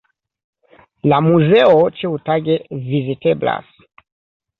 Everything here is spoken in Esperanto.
La muzeo ĉiutage viziteblas.